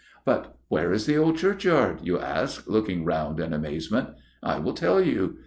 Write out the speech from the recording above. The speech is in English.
'But where is the old churchyard?' you ask, looking round in amazement. I will tell you.